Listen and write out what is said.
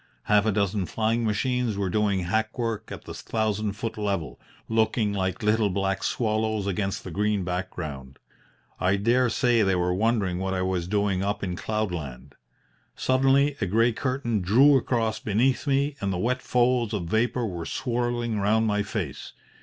Half a dozen flying machines were doing hackwork at the thousand foot level, looking like little black swallows against the green background. I dare say they were wondering what I was doing up in cloud land. Suddenly a grey curtain drew across beneath me and the wet folds of vapour were swirling round my face.